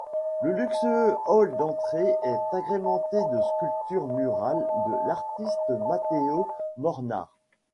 Le luxueux hall d’entrée est agrémenté de sculptures murales de l’artiste Matéo Mornar.